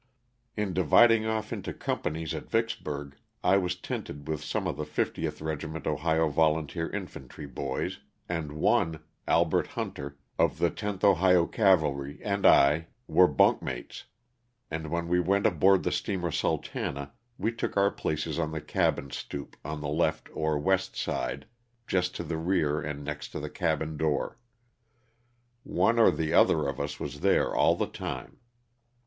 In dividing off into companies at Vicksburg, I was tented with some of the 50th Regiment Ohio Volunteer Infantry boys, and one, Albert Hunter, of the 10th Ohio Cavalry, and I were bunk mates, and when we went aboard the steamer " Sultana" we took our places on the cabin stoop on the left or west side, just to the rear and next to the cabin door. One or the other of us was there all the time.